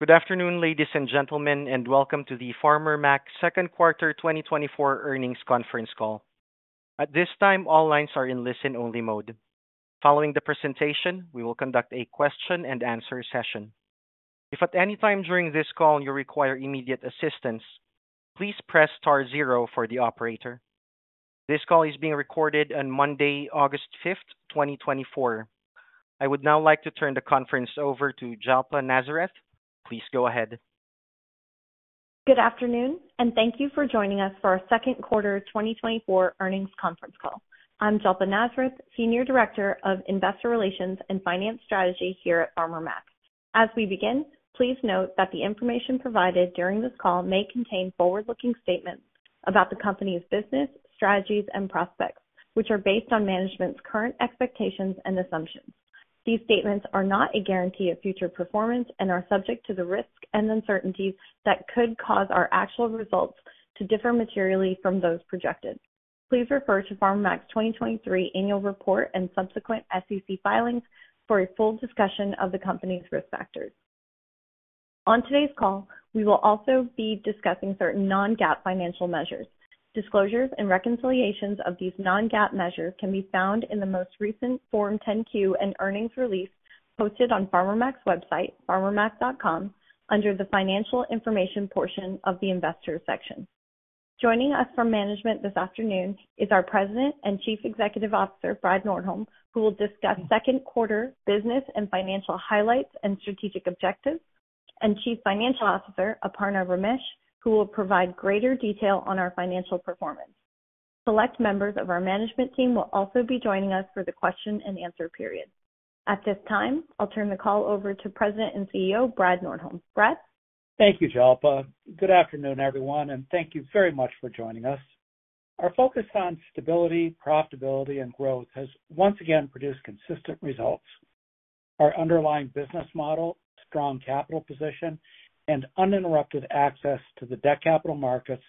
Good afternoon, ladies and gentlemen, and welcome to the Farmer Mac Q2 2024 earnings conference call. At this time, all lines are in listen-only mode. Following the presentation, we will conduct a question and answer session. If at any time during this call you require immediate assistance, please press star zero for the operator. This call is being recorded on Monday, August 5th, 2024. I would now like to turn the conference over to Jalpa Nazareth. Please go ahead. Good afternoon, and thank you for joining us for our Q2 2024 earnings conference call. I'm Jalpa Nazareth, Senior Director of Investor Relations and Finance Strategy here at Farmer Mac. As we begin, please note that the information provided during this call may contain forward-looking statements about the company's business, strategies, and prospects, which are based on management's current expectations and assumptions. These statements are not a guarantee of future performance and are subject to the risks and uncertainties that could cause our actual results to differ materially from those projected. Please refer to Farmer Mac's 2023 annual report and subsequent SEC filings for a full discussion of the company's risk factors. On today's call, we will also be discussing certain non-GAAP financial measures. Disclosures and reconciliations of these non-GAAP measures can be found in the most recent Form 10-Q and earnings release posted on Farmer Mac's website, farmermac.com, under the financial information portion of the investor section. Joining us from management this afternoon is our President and Chief Executive Officer, Brad Nordholm, who will discuss Q2 business and financial highlights and strategic objectives, and Chief Financial Officer, Aparna Ramesh, who will provide greater detail on our financial performance. Select members of our management team will also be joining us for the question and answer period. At this time, I'll turn the call over to President and CEO, Brad Nordholm. Brad? Thank you, Jalpa. Good afternoon, everyone, and thank you very much for joining us. Our focus on stability, profitability and growth has once again produced consistent results. Our underlying business model, strong capital position, and uninterrupted access to the debt capital markets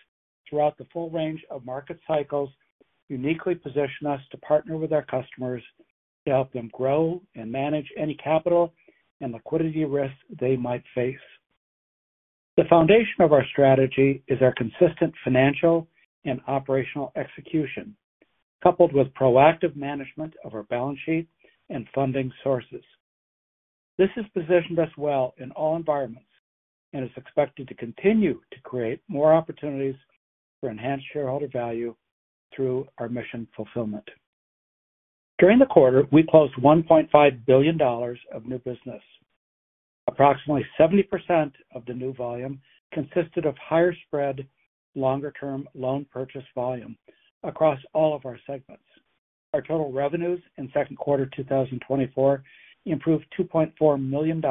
throughout the full range of market cycles uniquely position us to partner with our customers to help them grow and manage any capital and liquidity risks they might face. The foundation of our strategy is our consistent financial and operational execution, coupled with proactive management of our balance sheet and funding sources. This has positioned us well in all environments and is expected to continue to create more opportunities for enhanced shareholder value through our mission fulfillment. During the quarter, we closed $1.5 billion of new business. Approximately 70% of the new volume consisted of higher spread, longer-term loan purchase volume across all of our segments. Our total revenues in Q2 2024 improved $2.4 million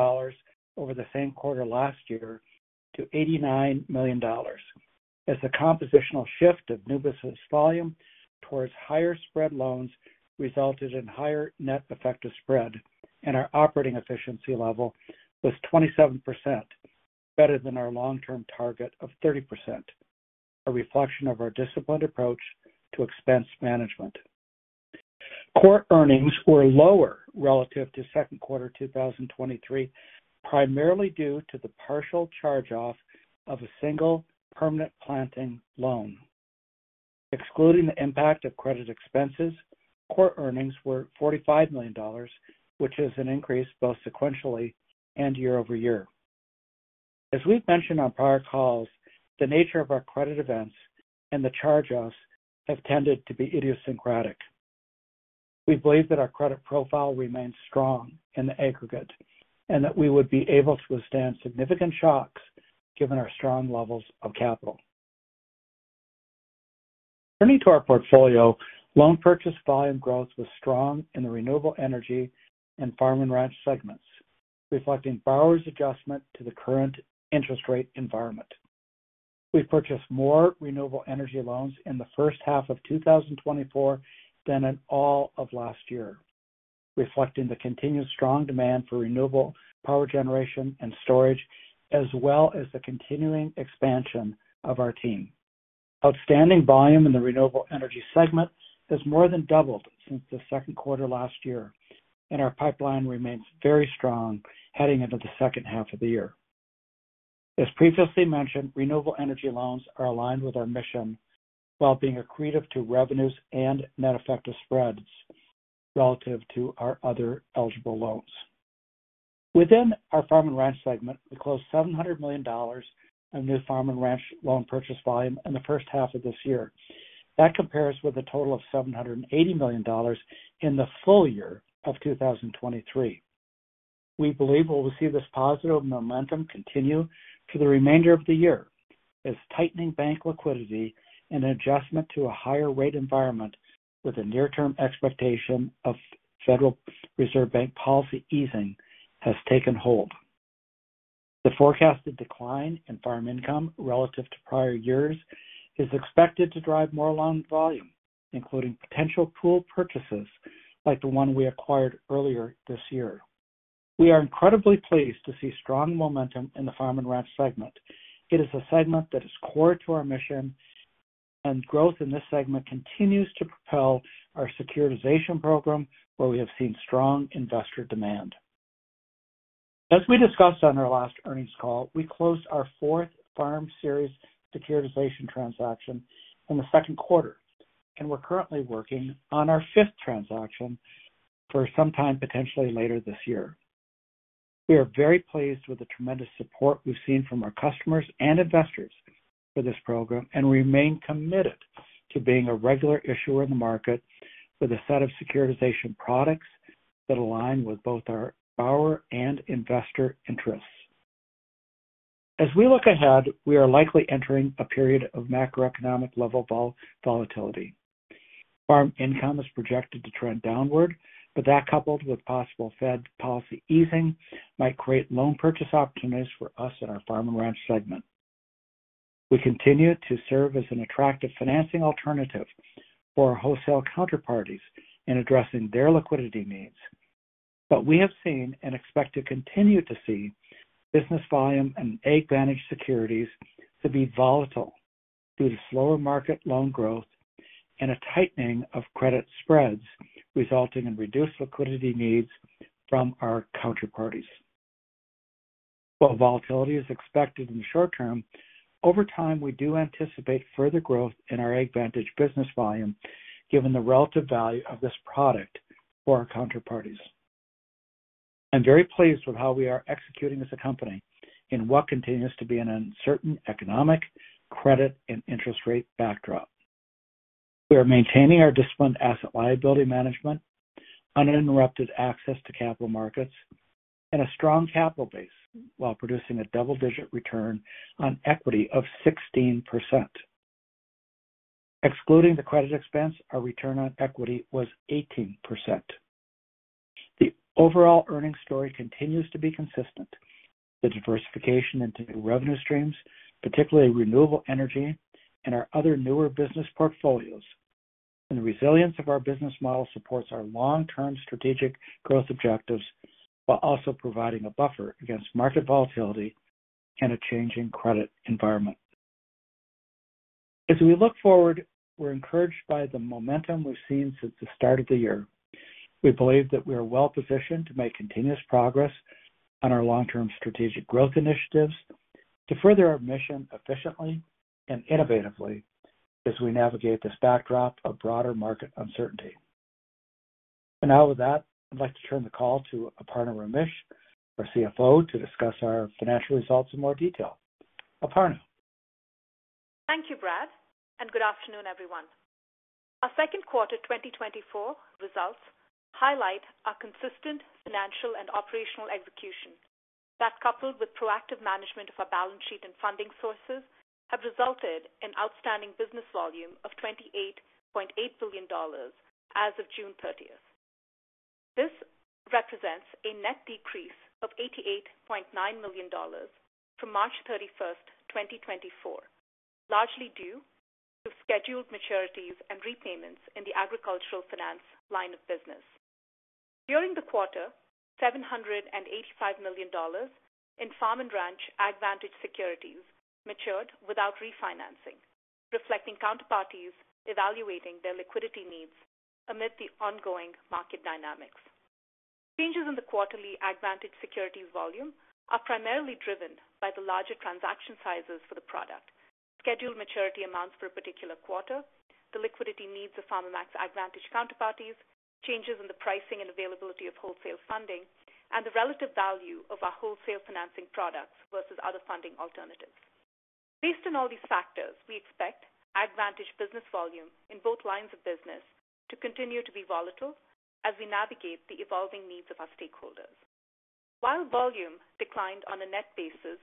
over the same quarter last year to $89 million. As the compositional shift of new business volume towards higher spread loans resulted in higher Net Effective Spread and our operating efficiency level was 27%, better than our long-term target of 30%, a reflection of our disciplined approach to expense management. Core Earnings were lower relative to Q2 2023, primarily due to the partial charge-off of a single permanent planting loan. Excluding the impact of credit expenses, Core Earnings were $45 million, which is an increase both sequentially and year-over-year. As we've mentioned on prior calls, the nature of our credit events and the charge-offs have tended to be idiosyncratic. We believe that our credit profile remains strong in the aggregate and that we would be able to withstand significant shocks given our strong levels of capital. Turning to our portfolio, loan purchase volume growth was strong in the Renewable Energy and Farm & Ranch segments, reflecting borrowers' adjustment to the current interest rate environment. We've purchased more Renewable Energy loans in the first half of 2024 than in all of last year, reflecting the continued strong demand for renewable power generation and storage, as well as the continuing expansion of our team. Outstanding volume in the Renewable Energy segment has more than doubled since the Q2 last year, and our pipeline remains very strong heading into the second half of the year. As previously mentioned, renewable energy loans are aligned with our mission while being accretive to revenues and net effective spreads relative to our other eligible loans. Within our Farm and Ranch segment, we closed $700 million of new farm and ranch loan purchase volume in the first half of this year. That compares with a total of $780 million in the full year of 2023. We believe we will see this positive momentum continue for the remainder of the year as tightening bank liquidity and adjustment to a higher rate environment with a near-term expectation of Federal Reserve Bank policy easing has taken hold. The forecasted decline in farm income relative to prior years is expected to drive more loan volume, including potential pool purchases like the one we acquired earlier this year. We are incredibly pleased to see strong momentum in the Farm and Ranch segment. It is a segment that is core to our mission and growth in this segment continues to propel our securitization program, where we have seen strong investor demand. As we discussed on our last earnings call, we closed our fourth Farm Series securitization transaction in the Q2, and we're currently working on our fifth transaction for some time, potentially later this year. We are very pleased with the tremendous support we've seen from our customers and investors for this program, and remain committed to being a regular issuer in the market with a set of securitization products that align with both our borrower and investor interests. As we look ahead, we are likely entering a period of macroeconomic-level volatility. Farm income is projected to trend downward, but that, coupled with possible Fed policy easing, might create loan purchase opportunities for us in our farm and ranch segment. We continue to serve as an attractive financing alternative for our wholesale counterparties in addressing their liquidity needs. But we have seen and expect to continue to see business volume and AgVantage securities to be volatile due to slower market loan growth and a tightening of credit spreads, resulting in reduced liquidity needs from our counterparties. While volatility is expected in the short term, over time, we do anticipate further growth in our AgVantage business volume, given the relative value of this product for our counterparties. I'm very pleased with how we are executing as a company in what continues to be an uncertain economic, credit, and interest rate backdrop. We are maintaining our disciplined asset liability management, uninterrupted access to capital markets, and a strong capital base while producing a double-digit return on equity of 16%. Excluding the credit expense, our return on equity was 18%. The overall earnings story continues to be consistent. The diversification into new revenue streams, particularly renewable energy and our other newer business portfolios, and the resilience of our business model supports our long-term strategic growth objectives, while also providing a buffer against market volatility and a changing credit environment. As we look forward, we're encouraged by the momentum we've seen since the start of the year. We believe that we are well-positioned to make continuous progress on our long-term strategic growth initiatives to further our mission efficiently and innovatively as we navigate this backdrop of broader market uncertainty. Now, with that, I'd like to turn the call to Aparna Ramesh, our CFO, to discuss our financial results in more detail. Aparna? Thank you, Brad, and good afternoon, everyone. Our Q2 2024 results highlight our consistent financial and operational execution. That, coupled with proactive management of our balance sheet and funding sources, have resulted in outstanding business volume of $28.8 billion as of June 30th. This represents a net decrease of $88.9 million from March 31st, 2024, largely due to scheduled maturities and repayments in the agricultural finance line of business. During the quarter, $785 million in Farm & Ranch AgVantage securities matured without refinancing, reflecting counterparties evaluating their liquidity needs amid the ongoing market dynamics. Changes in the quarterly AgVantage securities volume are primarily driven by the larger transaction sizes for the product, scheduled maturity amounts for a particular quarter, the liquidity needs of Farmer Mac's AgVantage counterparties, changes in the pricing and availability of wholesale funding, and the relative value of our wholesale financing products versus other funding alternatives. Based on all these factors, we expect AgVantage business volume in both lines of business to continue to be volatile as we navigate the evolving needs of our stakeholders. While volume declined on a net basis,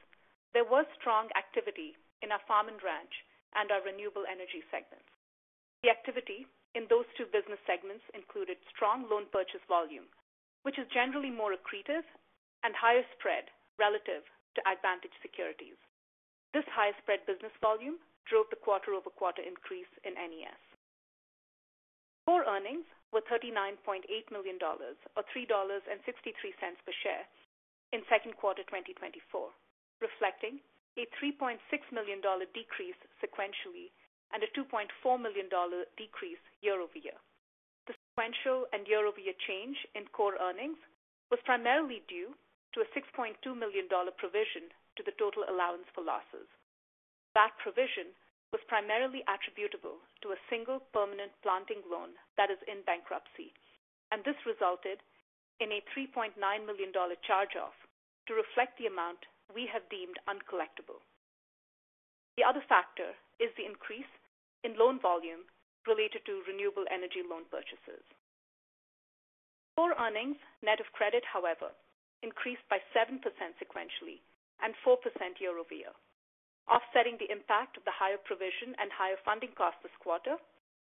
there was strong activity in our Farm & Ranch and our Renewable Energy segments. The activity in those two business segments included strong loan purchase volume, which is generally more accretive and higher spread relative to AgVantage securities. This higher spread business volume drove the quarter-over-quarter increase in NES. Core earnings were $39.8 million, or $3.63 per share in Q2 2024, reflecting a $3.6 million decrease sequentially and a $2.4 million decrease year-over-year. The sequential and year-over-year change in core earnings was primarily due to a $6.2 million provision to the total allowance for losses. That provision was primarily attributable to a single permanent planting loan that is in bankruptcy, and this resulted in a $3.9 million charge-off to reflect the amount we have deemed uncollectible. The other factor is the increase in loan volume related to renewable energy loan purchases. Core earnings, net of credit, however, increased by 7% sequentially and 4% year-over-year. Offsetting the impact of the higher provision and higher funding costs this quarter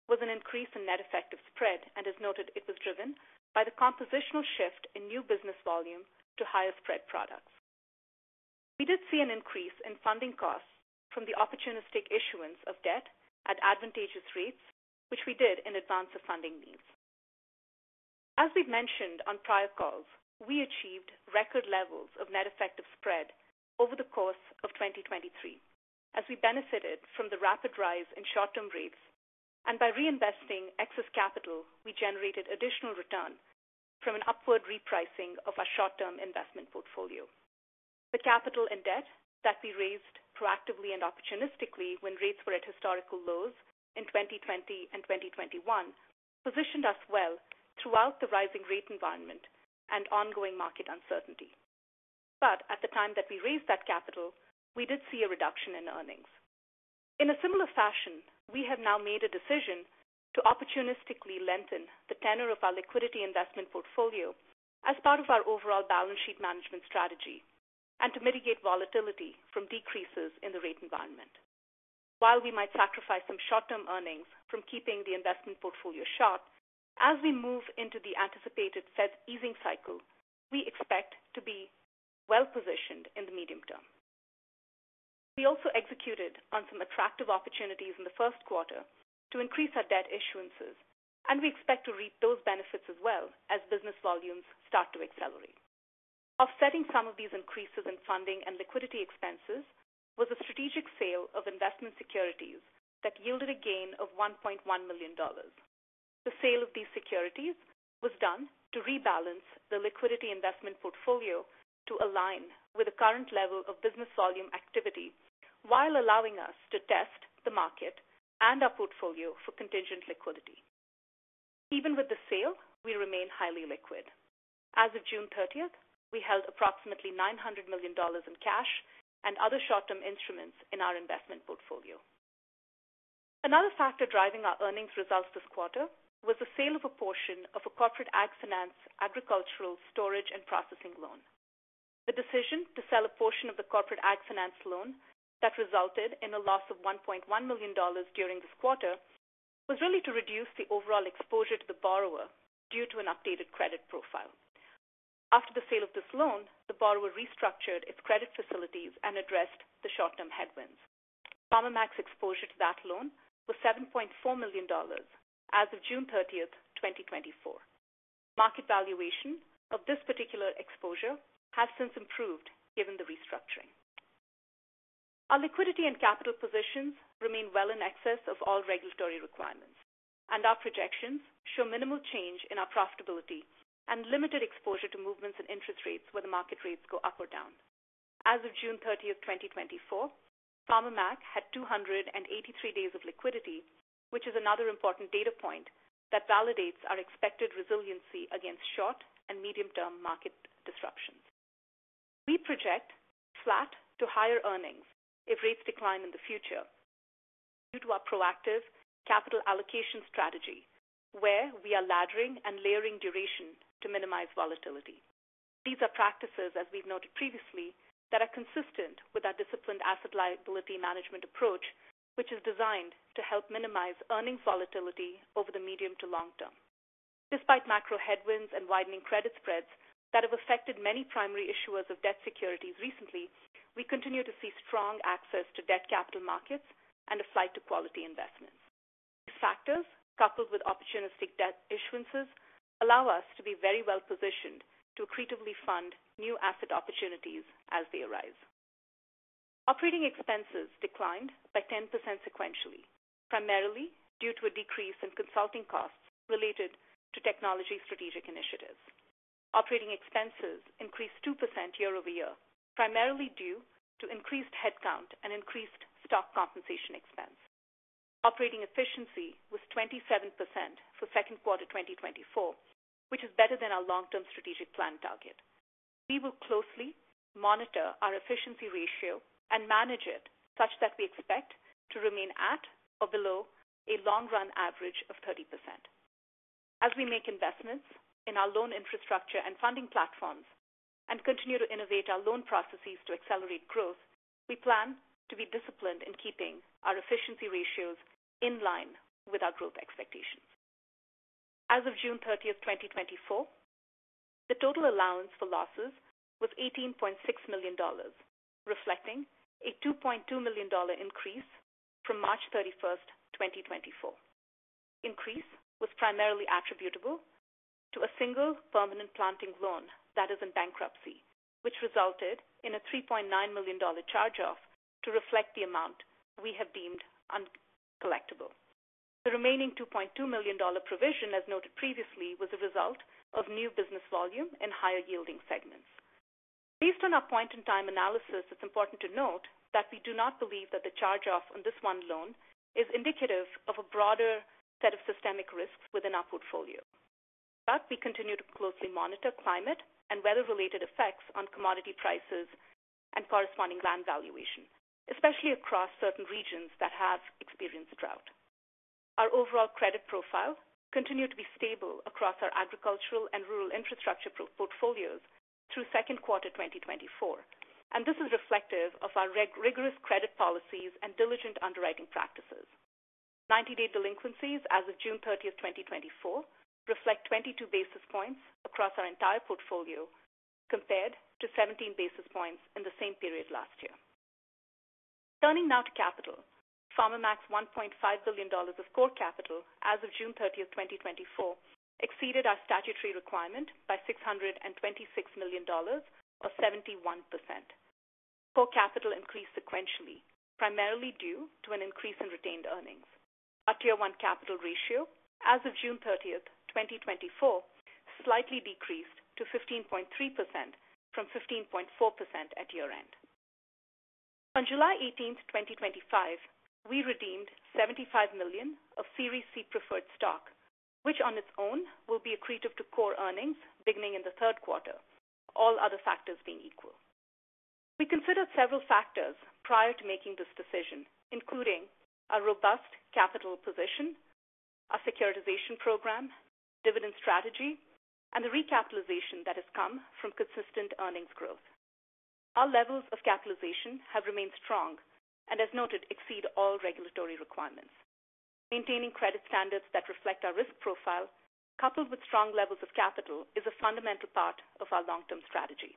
was an increase in Net Effective Spread, and as noted, it was driven by the compositional shift in new business volume to higher spread products. We did see an increase in funding costs from the opportunistic issuance of debt at advantageous rates, which we did in advance of funding needs. As we've mentioned on prior calls, we achieved record levels of Net Effective Spread over the course of 2023, as we benefited from the rapid rise in short-term rates. And by reinvesting excess capital, we generated additional return from an upward repricing of our short-term investment portfolio. The capital and debt that we raised proactively and opportunistically when rates were at historical lows in 2020 and 2021 positioned us well throughout the rising rate environment and ongoing market uncertainty. But at the time that we raised that capital, we did see a reduction in earnings. In a similar fashion, we have now made a decision to opportunistically lengthen the tenor of our liquidity investment portfolio as part of our overall balance sheet management strategy and to mitigate volatility from decreases in the rate environment. While we might sacrifice some short-term earnings from keeping the investment portfolio sharp, as we move into the anticipated Fed easing cycle, we expect to be well positioned in the medium term. We also executed on some attractive opportunities in the Q1 to increase our debt issuances, and we expect to reap those benefits as well as business volumes start to accelerate. Offsetting some of these increases in funding and liquidity expenses was a strategic sale of investment securities that yielded a gain of $1.1 million. The sale of these securities was done to rebalance the liquidity investment portfolio to align with the current level of business volume activity, while allowing us to test the market and our portfolio for contingent liquidity. Even with the sale, we remain highly liquid. As of June 30, we held approximately $900 million in cash and other short-term instruments in our investment portfolio. Another factor driving our earnings results this quarter was the sale of a portion of a Corporate Ag Finance agricultural storage and processing loan. The decision to sell a portion of the Corporate Ag Finance loan that resulted in a loss of $1.1 million during this quarter, was really to reduce the overall exposure to the borrower due to an updated credit profile. After the sale of this loan, the borrower restructured its credit facilities and addressed the short-term headwinds. Farmer Mac's exposure to that loan was $7.4 million as of June 30, 2024. Market valuation of this particular exposure has since improved given the restructuring. Our liquidity and capital positions remain well in excess of all regulatory requirements, and our projections show minimal change in our profitability and limited exposure to movements in interest rates where the market rates go up or down. As of June 30, 2024, Farmer Mac had 283 days of liquidity, which is another important data point that validates our expected resiliency against short and medium-term market disruptions. We project flat to higher earnings if rates decline in the future, due to our proactive capital allocation strategy, where we are laddering and layering duration to minimize volatility. These are practices, as we've noted previously, that are consistent with our disciplined asset liability management approach, which is designed to help minimize earnings volatility over the medium to long term. Despite macro headwinds and widening credit spreads that have affected many primary issuers of debt securities recently, we continue to see strong access to debt capital markets and a flight to quality investments. These factors, coupled with opportunistic debt issuances, allow us to be very well positioned to creatively fund new asset opportunities as they arise. Operating expenses declined by 10% sequentially, primarily due to a decrease in consulting costs related to technology strategic initiatives. Operating expenses increased 2% year-over-year, primarily due to increased headcount and increased stock compensation expense. Operating efficiency was 27% for Q2 2024, which is better than our long-term strategic plan target. We will closely monitor our efficiency ratio and manage it such that we expect to remain at or below a long-run average of 30%. As we make investments in our loan infrastructure and funding platforms and continue to innovate our loan processes to accelerate growth, we plan to be disciplined in keeping our efficiency ratios in line with our growth expectations. As of June 30th, 2024, the total allowance for losses was $18.6 million, reflecting a $2.2 million increase from March 31st, 2024. Increase was primarily attributable to a single permanent planting loan that is in bankruptcy, which resulted in a $3.9 million charge-off to reflect the amount we have deemed uncollectible. The remaining $2.2 million provision, as noted previously, was a result of new business volume and higher yielding segments. Based on our point in time analysis, it's important to note that we do not believe that the charge-off on this one loan is indicative of a broader set of systemic risks within our portfolio. But we continue to closely monitor climate and weather-related effects on commodity prices and corresponding land valuation, especially across certain regions that have experienced drought. Our overall credit profile continued to be stable across our agricultural and rural infrastructure portfolios through Q2 2024, and this is reflective of our rigorous credit policies and diligent underwriting practices. 90-day delinquencies as of June 30th, 2024, reflect 22 basis points across our entire portfolio, compared to 17 basis points in the same period last year.... Turning now to capital. Farmer Mac's $1.5 billion of core capital as of June 30, 2024, exceeded our statutory requirement by $626 million or 71%. Core capital increased sequentially, primarily due to an increase in retained earnings. Our Tier 1 Capital Ratio as of June 30th, 2024, slightly decreased to 15.3% from 15.4% at year-end. On July 18th, 2025, we redeemed $75 million of Series C Preferred Stock, which on its own will be accretive to core earnings beginning in the Q3, all other factors being equal. We considered several factors prior to making this decision, including a robust capital position, a securitization program, dividend strategy, and the recapitalization that has come from consistent earnings growth. Our levels of capitalization have remained strong and, as noted, exceed all regulatory requirements. Maintaining credit standards that reflect our risk profile, coupled with strong levels of capital, is a fundamental part of our long-term strategy.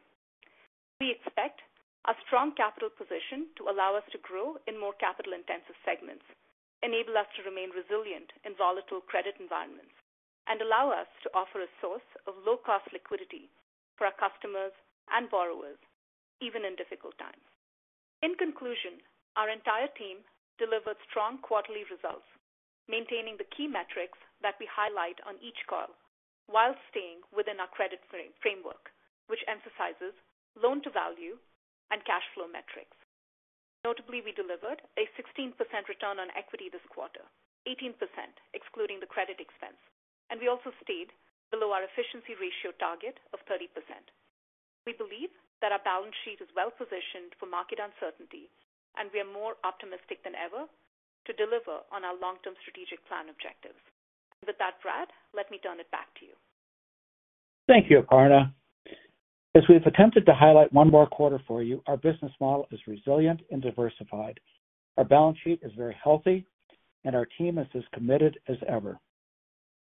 We expect a strong capital position to allow us to grow in more capital-intensive segments, enable us to remain resilient in volatile credit environments, and allow us to offer a source of low-cost liquidity for our customers and borrowers, even in difficult times. In conclusion, our entire team delivered strong quarterly results, maintaining the key metrics that we highlight on each call while staying within our credit frame, framework, which emphasizes loan-to-value and cash flow metrics. Notably, we delivered a 16% return on equity this quarter, 18%, excluding the credit expense, and we also stayed below our efficiency ratio target of 30%. We believe that our balance sheet is well-positioned for market uncertainty, and we are more optimistic than ever to deliver on our long-term strategic plan objectives. With that, Brad, let me turn it back to you. Thank you, Aparna. As we've attempted to highlight one more quarter for you, our business model is resilient and diversified. Our balance sheet is very healthy, and our team is as committed as ever.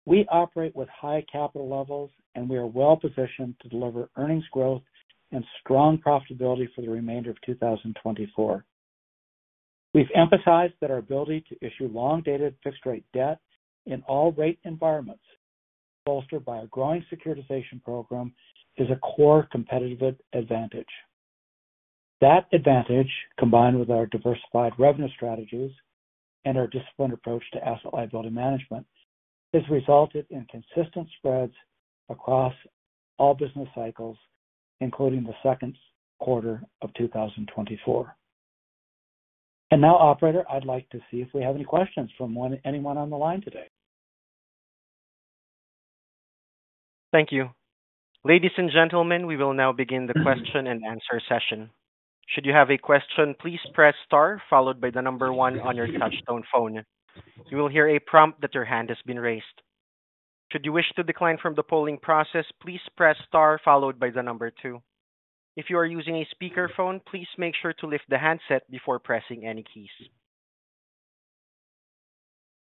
We operate with high capital levels, and we are well-positioned to deliver earnings growth and strong profitability for the remainder of 2024. We've emphasized that our ability to issue long-dated fixed rate debt in all rate environments, bolstered by our growing securitization program, is a core competitive advantage. That advantage, combined with our diversified revenue strategies and our disciplined approach to asset liability management, has resulted in consistent spreads across all business cycles, including the Q2 of 2024. And now, Operator, I'd like to see if we have any questions from anyone on the line today. Thank you. Ladies and gentlemen, we will now begin the question-and-answer session. Should you have a question, please press star followed by the number 1 on your touchtone phone. You will hear a prompt that your hand has been raised. Should you wish to decline from the polling process, please press star followed by the number 2. If you are using a speakerphone, please make sure to lift the handset before pressing any keys.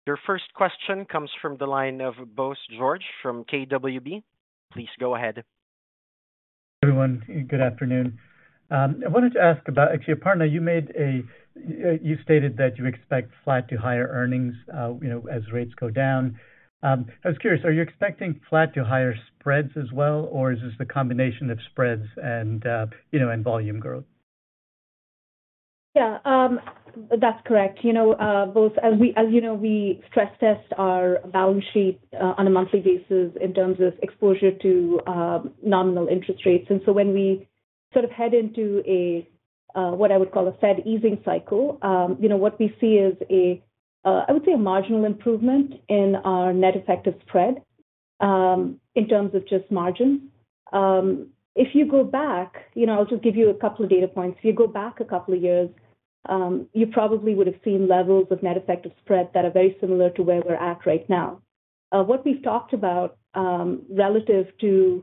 Your first question comes from the line of Bose George from KBW. Please go ahead. Everyone, good afternoon. I wanted to ask about, actually, Aparna, you made a, you stated that you expect flat to higher earnings, you know, as rates go down. I was curious, are you expecting flat to higher spreads as well, or is this the combination of spreads and, you know, and volume growth? Yeah, that's correct. You know, as you know, we stress test our balance sheet on a monthly basis in terms of exposure to nominal interest rates. And so when we sort of head into a what I would call a Fed easing cycle, you know, what we see is a I would say, a marginal improvement in our net effective spread in terms of just margin. If you go back, you know, I'll just give you a couple of data points. If you go back a couple of years, you probably would have seen levels of net effective spread that are very similar to where we're at right now. What we've talked about, relative to,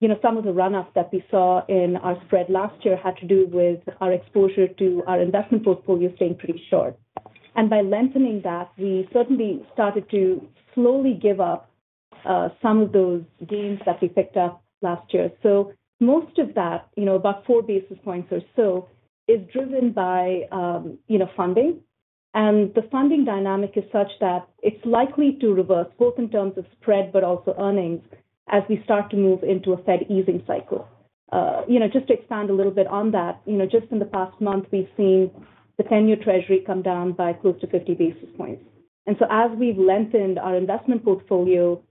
you know, some of the run-ups that we saw in our spread last year, had to do with our exposure to our investment portfolio staying pretty short. By lengthening that, we certainly started to slowly give up some of those gains that we picked up last year. So most of that, you know, about 4 basis points or so, is driven by, you know, funding. And the funding dynamic is such that it's likely to reverse, both in terms of spread but also earnings, as we start to move into a Fed easing cycle. You know, just to expand a little bit on that, you know, just in the past month, we've seen the 10-year treasury come down by close to 50 basis points. And so as we've lengthened our investment portfolio,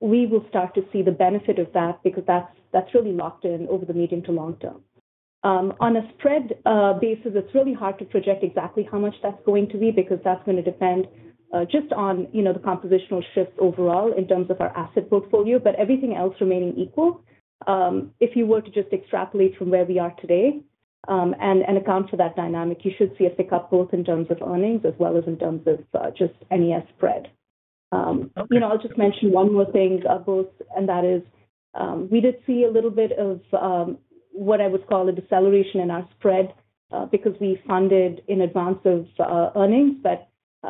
we will start to see the benefit of that because that's, that's really locked in over the medium to long term. On a spread basis, it's really hard to project exactly how much that's going to be because that's going to depend just on, you know, the compositional shifts overall in terms of our asset portfolio. But everything else remaining equal, if you were to just extrapolate from where we are today, and account for that dynamic, you should see a pickup both in terms of earnings as well as in terms of just NES spread. You know, I'll just mention one more thing, Bose, and that is, we did see a little bit of what I would call a deceleration in our spread, because we funded in advance of earnings. But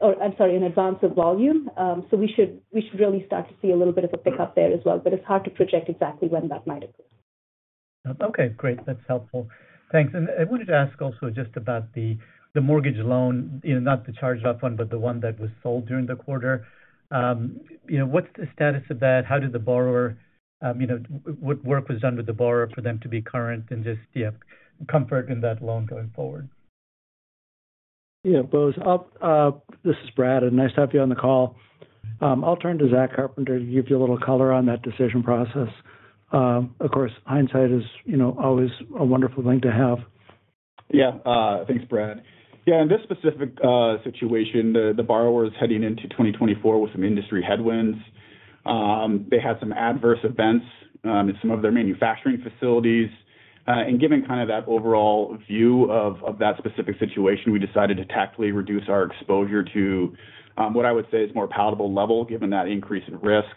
or, I'm sorry, in advance of volume. So we should really start to see a little bit of a pick up there as well, but it's hard to project exactly when that might occur. Okay, great. That's helpful. Thanks. And I wanted to ask also just about the, the mortgage loan, you know, not the charged-off one, but the one that was sold during the quarter. You know, what's the status of that? How did the borrower, you know, what work was done with the borrower for them to be current and just, yeah, comfort in that loan going forward? Yeah, Bose, I'll... This is Brad, and nice to have you on the call. I'll turn to Zach Carpenter to give you a little color on that decision process. Of course, hindsight is, you know, always a wonderful thing to have. Yeah. Thanks, Brad. Yeah, in this specific situation, the borrower is heading into 2024 with some industry headwinds. They had some adverse events in some of their manufacturing facilities. And given kind of that overall view of that specific situation, we decided to tactfully reduce our exposure to what I would say is more palatable level, given that increase in risk.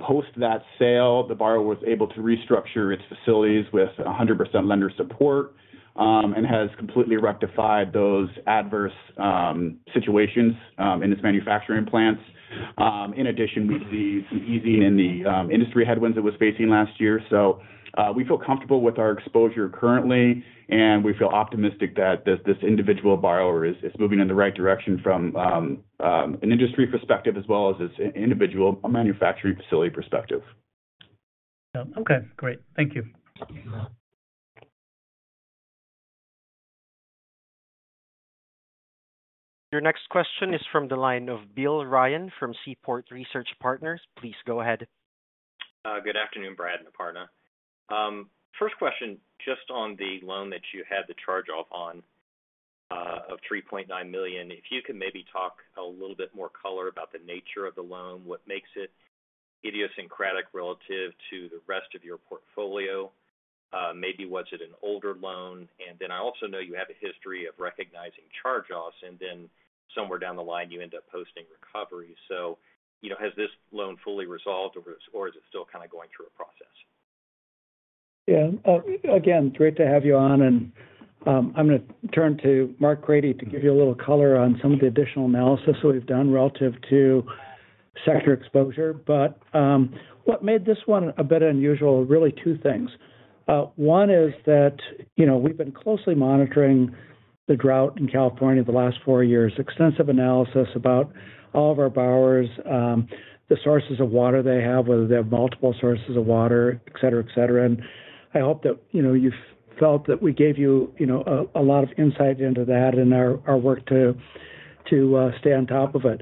Post that sale, the borrower was able to restructure its facilities with 100% lender support, and has completely rectified those adverse situations in its manufacturing plants. In addition, we see some easing in the industry headwinds it was facing last year. We feel comfortable with our exposure currently, and we feel optimistic that this individual borrower is moving in the right direction from an industry perspective as well as its individual manufacturing facility perspective. Yeah. Okay, grdseat. Thank you. Your next question is from the line of Bill Ryan from Seaport Research Partners. Please go ahead. Good afternoon, Brad and Aparna. First question, just on the loan that you had the charge-off on, of $3.9 million. If you could maybe talk a little bit more color about the nature of the loan, what makes it idiosyncratic relative to the rest of your portfolio? Maybe was it an older loan? And then I also know you have a history of recognizing charge-offs, and then somewhere down the line, you end up posting recovery. So, you know, has this loan fully resolved or is, or is it still kind of going through a process? Yeah. Again, great to have you on, and, I'm gonna turn to Marc Crady to give you a little color on some of the additional analysis we've done relative to sector exposure. But, what made this one a bit unusual, really two things. One is that, you know, we've been closely monitoring the drought in California the last four years, extensive analysis about all of our borrowers, the sources of water they have, whether they have multiple sources of water, et cetera, et cetera. And I hope that, you know, you've felt that we gave you, you know, a lot of insight into that in our work to stay on top of it.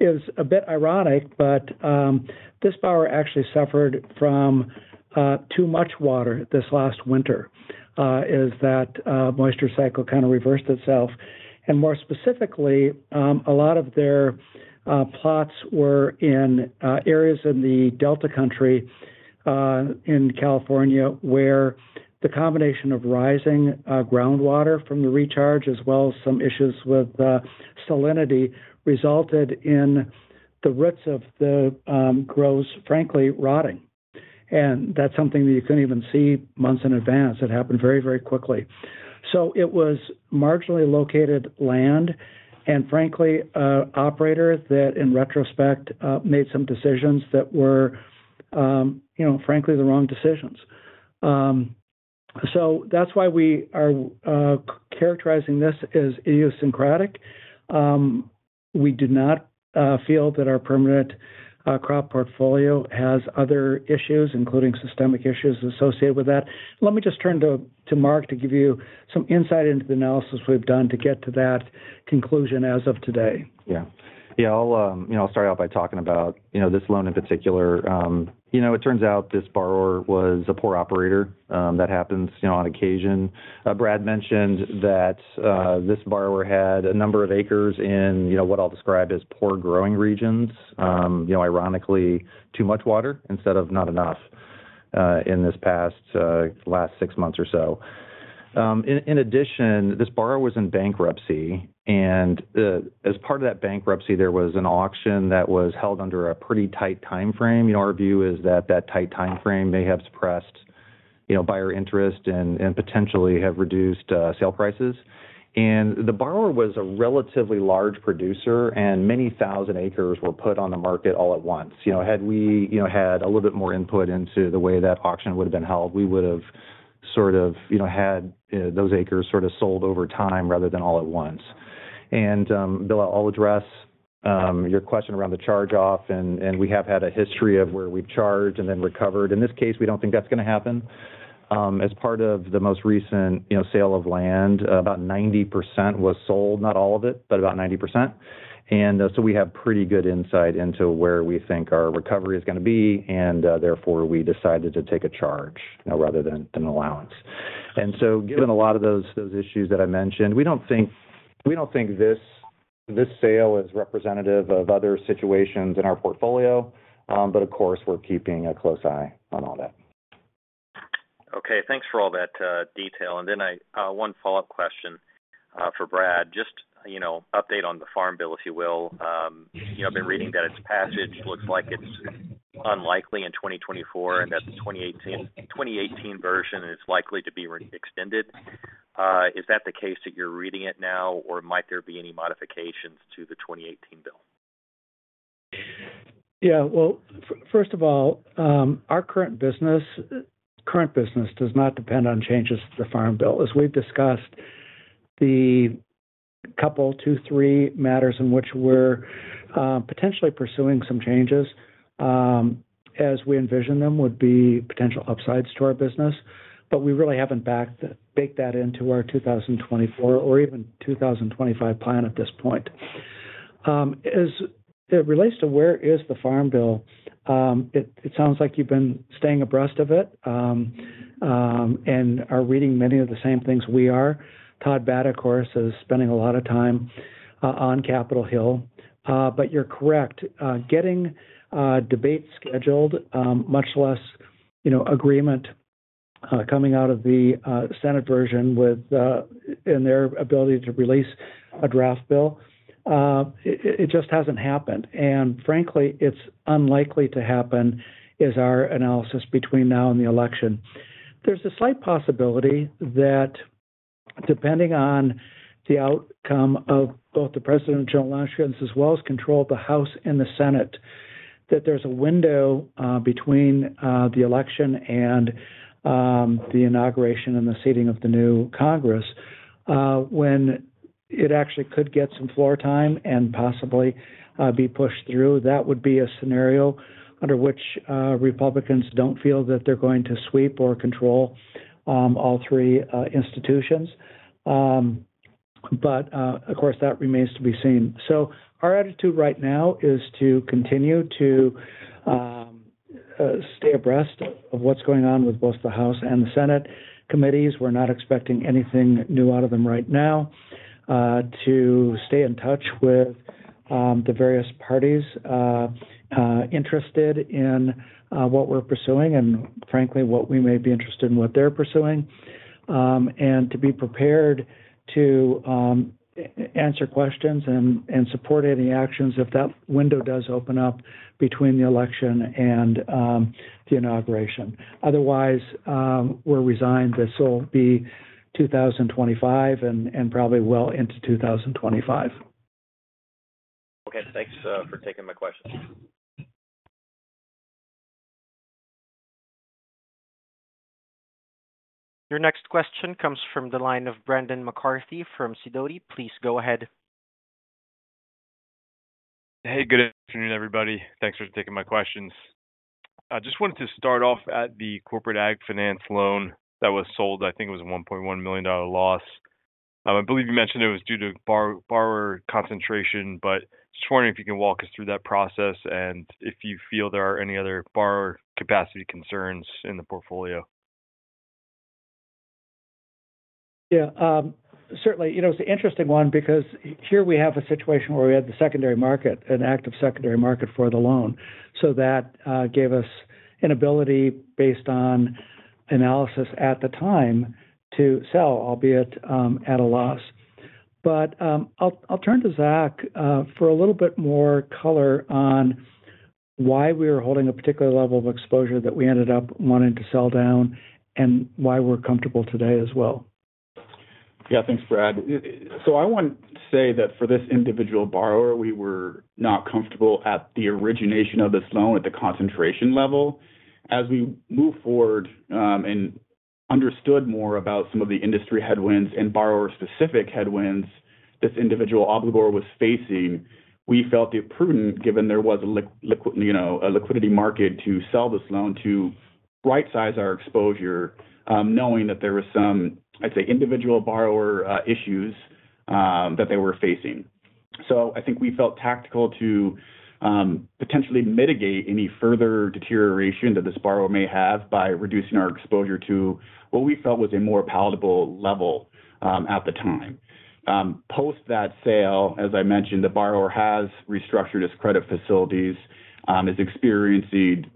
It's a bit ironic, but this borrower actually suffered from too much water this last winter; the moisture cycle kind of reversed itself. And more specifically, a lot of their plots were in areas in the Delta country in California, where the combination of rising groundwater from the recharge, as well as some issues with salinity, resulted in the roots of the crops, frankly, rotting. And that's something that you couldn't even see months in advance. It happened very, very quickly. So it was marginally located land and frankly, operator that, in retrospect, made some decisions that were, you know, frankly, the wrong decisions. So that's why we are characterizing this as idiosyncratic. We do not feel that our permanent crop portfolio has other issues, including systemic issues associated with that. Let me just turn to Marc to give you some insight into the analysis we've done to get to that conclusion as of today. Yeah. Yeah, I'll, you know, I'll start off by talking about, you know, this loan in particular. You know, it turns out this borrower was a poor operator. That happens, you know, on occasion. Brad mentioned that this borrower had a number of acres in, you know, what I'll describe as poor-growing regions. You know, ironically, too much water instead of not enough, in this past, last six months or so. In addition, this borrower was in bankruptcy, and as part of that bankruptcy, there was an auction that was held under a pretty tight timeframe. You know, our view is that that tight timeframe may have suppressed, you know, buyer interest and potentially have reduced sale prices. The borrower was a relatively large producer, and many thousand acres were put on the market all at once. You know, had we, you know, had a little bit more input into the way that auction would have been held, we would have sort of, you know, had those acres sort of sold over time rather than all at once. Bill, I'll address your question around the charge-off, and we have had a history of where we've charged and then recovered. In this case, we don't think that's going to happen. As part of the most recent, you know, sale of land, about 90% was sold. Not all of it, but about 90%. And so we have pretty good insight into where we think our recovery is gonna be, and therefore, we decided to take a charge, you know, rather than an allowance. And so given a lot of those, those issues that I mentioned, we don't think, we don't think this, this sale is representative of other situations in our portfolio. But of course, we're keeping a close eye on all that. Okay, thanks for all that, detail. And then one follow-up question for Brad. Just- you know, update on the Farm Bill, if you will. You know, I've been reading that its passage looks like it's unlikely in 2024, and that the 2018, 2018 version is likely to be re-extended. Is that the case that you're reading it now, or might there be any modifications to the 2018 bill? Yeah. Well, first of all, our current business, current business does not depend on changes to the Farm Bill. As we've discussed, the couple, two, three matters in which we're potentially pursuing some changes, as we envision them, would be potential upsides to our business. But we really haven't baked that into our 2024 or even 2025 plan at this point. As it relates to where is the Farm Bill, it sounds like you've been staying abreast of it, and are reading many of the same things we are. Todd Batta, of course, is spending a lot of time on Capitol Hill. But you're correct. Getting debates scheduled, much less, you know, agreement coming out of the Senate version with the and their ability to release a draft bill, it just hasn't happened. And frankly, it's unlikely to happen, is our analysis between now and the election. There's a slight possibility that depending on the outcome of both the president and general elections, as well as control of the House and the Senate, that there's a window between the election and the inauguration and the seating of the new Congress, when it actually could get some floor time and possibly be pushed through. That would be a scenario under which Republicans don't feel that they're going to sweep or control all three institutions. But of course, that remains to be seen. So our attitude right now is to continue to stay abreast of what's going on with both the House and the Senate committees. We're not expecting anything new out of them right now. To stay in touch with the various parties interested in what we're pursuing, and frankly, what we may be interested in what they're pursuing. And to be prepared to answer questions and support any actions if that window does open up between the election and the inauguration. Otherwise, we're resigned this will be 2025 and probably well into 2025. Okay. Thanks, for taking my questions. Your next question comes from the line of Brendan McCarthy from Sidoti. Please go ahead. Hey, good afternoon, everybody. Thanks for taking my questions. I just wanted to start off at the Corporate AG Finance loan that was sold. I think it was a $1.1 million loss. I believe you mentioned it was due to borrower concentration, but just wondering if you can walk us through that process and if you feel there are any other borrower capacity concerns in the portfolio. Yeah, certainly. You know, it's an interesting one because here we have a situation where we had the secondary market, an active secondary market for the loan. So that gave us an ability based on analysis at the time, to sell, albeit at a loss. But I'll turn to Zach for a little bit more color on why we were holding a particular level of exposure that we ended up wanting to sell down and why we're comfortable today as well. Yeah, thanks, Brad. So I wouldn't say that for this individual borrower, we were not comfortable at the origination of this loan at the concentration level. As we moved forward, and understood more about some of the industry headwinds and borrower-specific headwinds this individual obligor was facing, we felt it prudent, given there was a liquidity market to sell this loan to rightsize our exposure, knowing that there were some, I'd say, individual borrower issues, that they were facing. So I think we felt tactical to, potentially mitigate any further deterioration that this borrower may have by reducing our exposure to what we felt was a more palatable level, at the time. Post that sale, as I mentioned, the borrower has restructured his credit facilities, is experiencing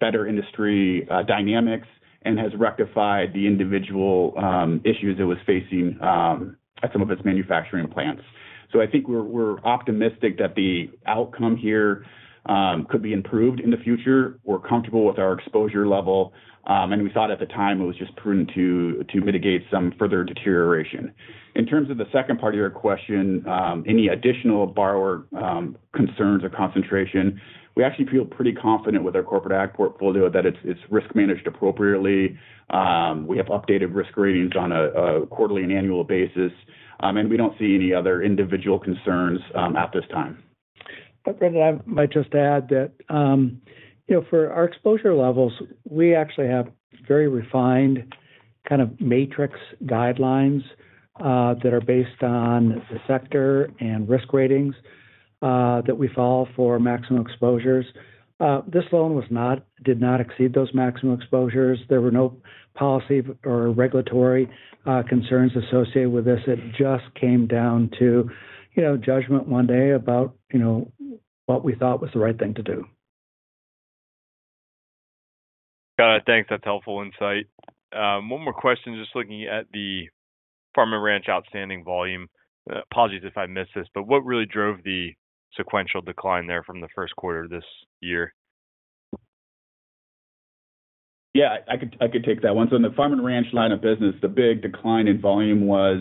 better industry dynamics, and has rectified the individual issues it was facing at some of its manufacturing plants. So I think we're optimistic that the outcome here could be improved in the future. We're comfortable with our exposure level, and we thought at the time it was just prudent to mitigate some further deterioration. In terms of the second part of your question, any additional borrower concerns or concentration, we actually feel pretty confident with our Corporate Ag portfolio that it's risk-managed appropriately. We have updated risk ratings on a quarterly and annual basis, and we don't see any other individual concerns at this time. But Brandon, I might just add that, you know, for our exposure levels, we actually have very refined kind of matrix guidelines that are based on the sector and risk ratings that we follow for maximum exposures. This loan did not exceed those maximum exposures. There were no policy or regulatory concerns associated with this. It just came down to, you know, judgment one day about, you know, what we thought was the right thing to do. Got it. Thanks. That's helpful insight. One more question. Just looking at the Farm and Ranch outstanding volume, apologies if I missed this, but what really drove the sequential decline there from the Q1 this year? Yeah, I could, I could take that one. So in the Farm & Ranch line of business, the big decline in volume was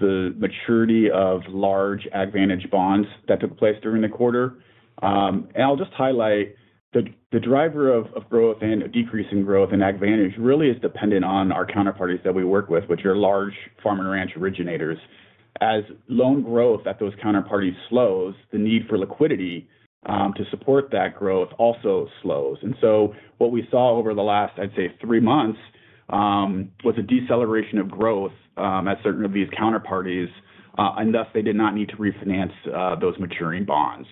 the maturity of large AgVantage bonds that took place during the quarter. And I'll just highlight the driver of growth and a decrease in growth and AgVantage really is dependent on our counterparties that we work with, which are large Farm & Ranch originators. As loan growth at those counterparties slows, the need for liquidity to support that growth also slows. And so what we saw over the last, I'd say, three months, was a deceleration of growth at certain of these counterparties, and thus, they did not need to refinance those maturing bonds.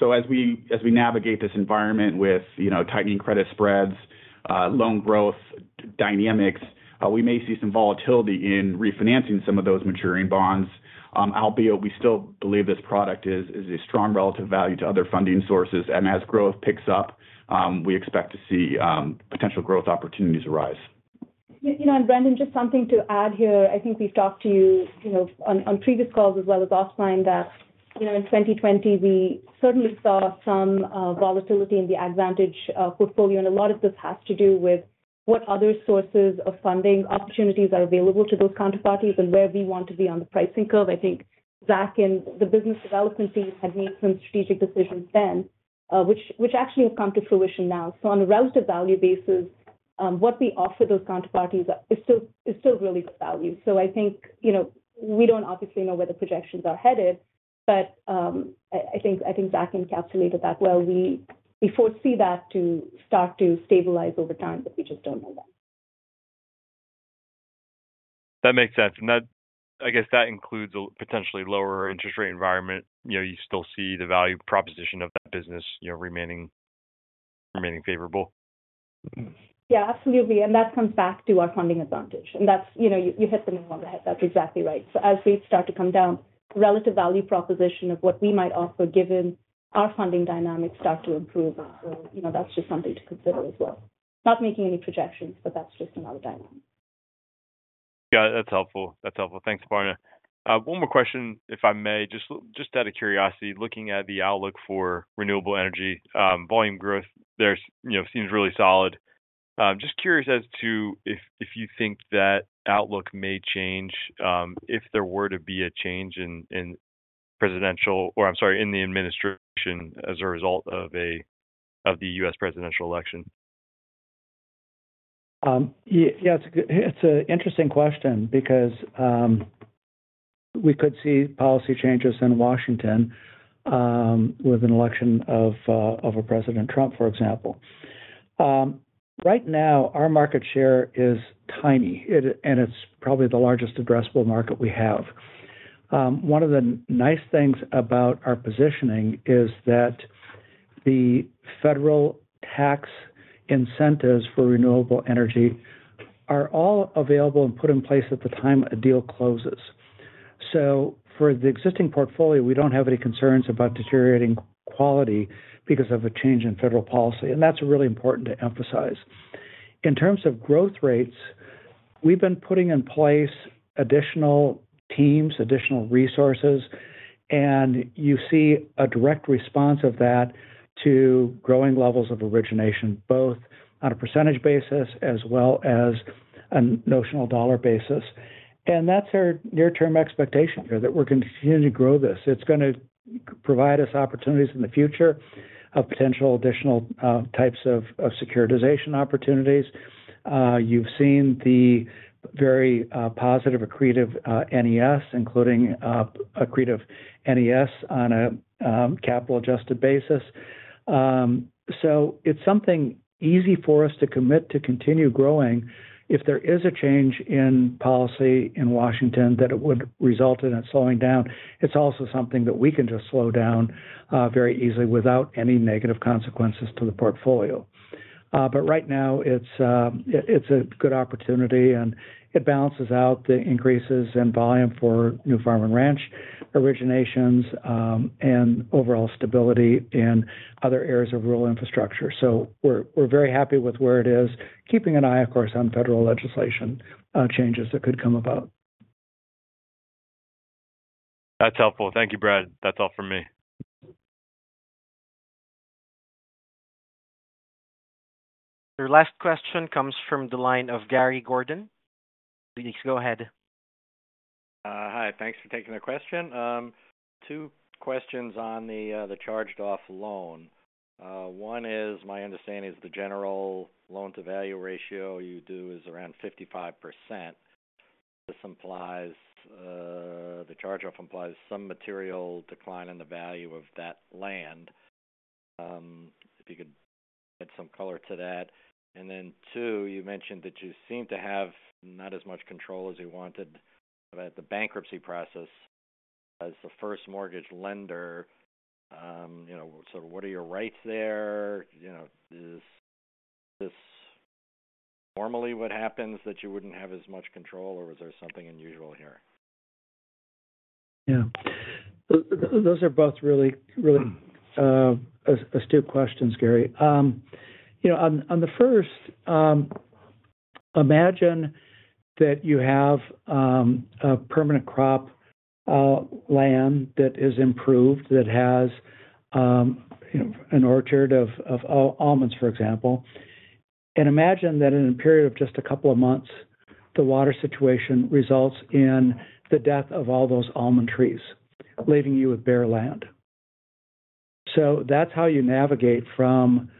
So as we navigate this environment with, you know, tightening credit spreads, loan growth dynamics, we may see some volatility in refinancing some of those maturing bonds. Albeit we still believe this product is a strong relative value to other funding sources, and as growth picks up, we expect to see potential growth opportunities arise. You know, and Brendan, just something to add here. I think we've talked to you, you know, on, on previous calls as well as offline, that, you know, in 2020, we certainly saw some volatility in the AgVantage portfolio, and a lot of this has to do with what other sources of funding opportunities are available to those counterparties and where we want to be on the pricing curve. I think Zach and the business development team had made some strategic decisions then, which actually have come to fruition now. So on a relative value basis, what we offer those counterparties is still really good value. So I think, you know, we don't obviously know where the projections are headed, but I think Zach encapsulated that well. We foresee that to start to stabilize over time, but we just don't know when. That makes sense. And that—I guess that includes a potentially lower interest rate environment. You know, you still see the value proposition of that business, you know, remaining favorable? Yeah, absolutely. And that comes back to our funding advantage. And that's, you know, you hit the nail on the head. That's exactly right. So as rates start to come down, relative value proposition of what we might offer, given our funding dynamics, start to improve. So, you know, that's just something to consider as well. Not making any projections, but that's just another dynamic. Yeah, that's helpful. That's helpful. Thanks, Aparna. One more question, if I may. Just, just out of curiosity, looking at the outlook for renewable energy, volume growth there, you know, seems really solid. Just curious as to if, if you think that outlook may change, if there were to be a change in presidential—or I'm sorry, in the administration as a result of a, of the U.S. presidential election. Yeah, yeah, it's an interesting question because we could see policy changes in Washington with an election of, of a President Trump, for example. Right now, our market share is tiny, and it's probably the largest addressable market we have. One of the nice things about our positioning is that the federal tax incentives for renewable energy are all available and put in place at the time a deal closes. So for the existing portfolio, we don't have any concerns about deteriorating quality because of a change in federal policy, and that's really important to emphasize. In terms of growth rates, we've been putting in place additional teams, additional resources, and you see a direct response of that to growing levels of origination, both on a percentage basis as well as a notional dollar basis. That's our near-term expectation here, that we're going to continue to grow this. It's going to provide us opportunities in the future of potential additional types of securitization opportunities. You've seen the very positive accretive NES, including accretive NES on a capital adjusted basis. So it's something easy for us to commit to continue growing. If there is a change in policy in Washington, that it would result in it slowing down. It's also something that we can just slow down very easily without any negative consequences to the portfolio. But right now, it's a good opportunity, and it balances out the increases in volume for new Farm & Ranch originations, and overall stability in other areas of rural infrastructure. We're very happy with where it is, keeping an eye, of course, on federal legislation changes that could come about. That's helpful. Thank you, Brad. That's all from me. Your last question comes from the line of Gary Gordon. Please go ahead. Hi, thanks for taking the question. Two questions on the charged-off loan. One is, my understanding is the general loan-to-value ratio you do is around 55%. This implies, the charge-off implies some material decline in the value of that land. If you could add some color to that. And then two, you mentioned that you seem to have not as much control as you wanted about the bankruptcy process as the first mortgage lender. You know, so what are your rights there? You know, is this normally what happens, that you wouldn't have as much control, or is there something unusual here? Yeah. Those are both really, really astute questions, Gary. You know, on the first, imagine that you have a permanent crop land that is improved, that has you know, an orchard of almonds, for example. And imagine that in a period of just a couple of months, the water situation results in the death of all those almond trees, leaving you with bare land. So that's how you navigate from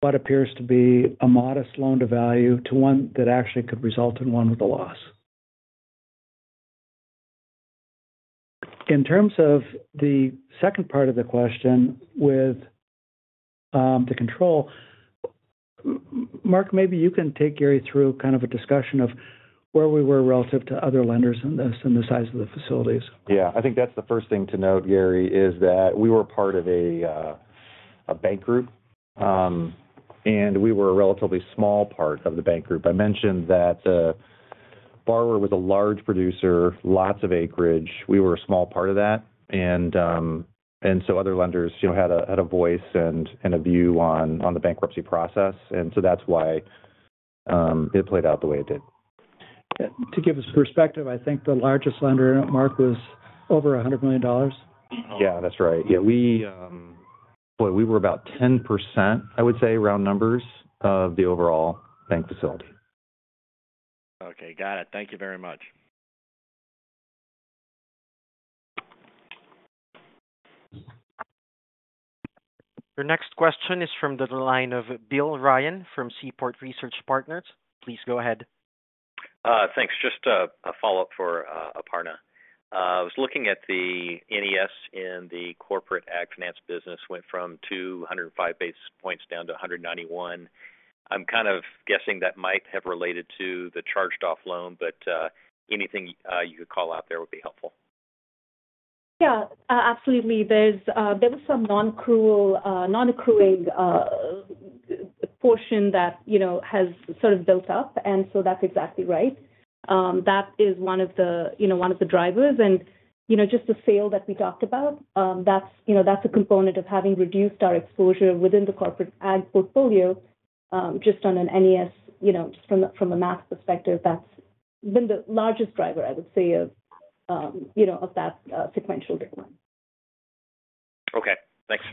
what appears to be a modest loan-to-value to one that actually could result in one with a loss. In terms of the second part of the question with the control, Marc, maybe you can take Gary through kind of a discussion of where we were relative to other lenders in this and the size of the facilities. Yeah, I think that's the first thing to note, Gary, is that we were part of a bank group. We were a relatively small part of the bank group. I mentioned that borrower was a large producer, lots of acreage. We were a small part of that. Other lenders, you know, had a voice and a view on the bankruptcy process, and so that's why it played out the way it did. To give us perspective, I think the largest lender, Marc, was over $100 million. Yeah, that's right. Yeah, we, boy, we were about 10%, I would say, round numbers, of the overall bank facility. Okay, got it. Thank you very much. Your next question is from the line of Bill Ryan from Seaport Research Partners. Please go ahead. Thanks. Just a follow-up for Aparna. I was looking at the NES in the Corporate Ag Finance business, went from 205 basis points down to 191. I'm kind of guessing that might have related to the charged-off loan, but anything you could call out there would be helpful. Yeah, absolutely. There's, there was some non-accrual, non-accruing, portion that, you know, has sort of built up, and so that's exactly right. That is one of the, you know, one of the drivers and, you know, just the sale that we talked about, that's, you know, that's a component of having reduced our exposure within the corporate ag portfolio. Just on an NES, you know, just from a, from a math perspective, that's been the largest driver, I would say, of, you know, of that, sequential decline. Okay. Thanks.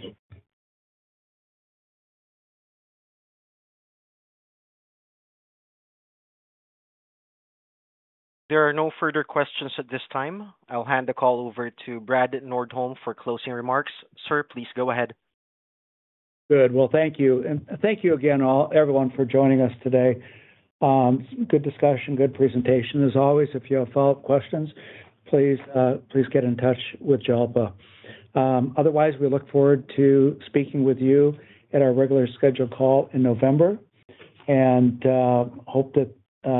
There are no further questions at this time. I'll hand the call over to Brad Nordholm for closing remarks. Sir, please go ahead. Good. Well, thank you. And thank you again, all everyone for joining us today. Good discussion, good presentation. As always, if you have follow-up questions, please, please get in touch with Jalpa. Otherwise, we look forward to speaking with you at our regular scheduled call in November, and hope that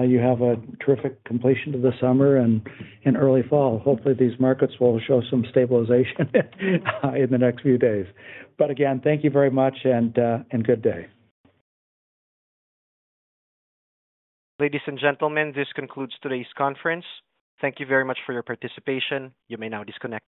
you have a terrific completion to the summer and in early fall. Hopefully, these markets will show some stabilization in the next few days. But again, thank you very much and good day. Ladies and gentlemen, this concludes today's conference. Thank you very much for your participation. You may now disconnect.